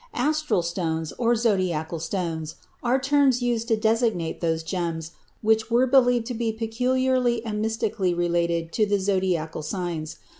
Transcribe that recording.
"Astral stones" or "zodiacal stones" are terms used to designate those gems which were believed to be peculiarly and mystically related to the zodiacal signs.